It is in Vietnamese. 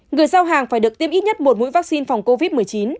người giao hàng phải được tiêm ít nhất một mũi vaccine phòng covid một mươi chín